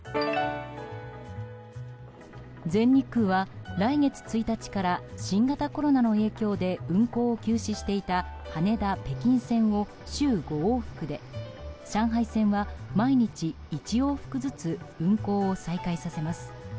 全日空は来月１日から新型コロナの影響で運航を休止していた羽田北京線を週５往復で上海線は毎日１往復ずつ運航を再開させます。